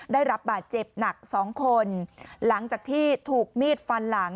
ได้รับบาดเจ็บหนักสองคนหลังจากที่ถูกมีดฟันหลัง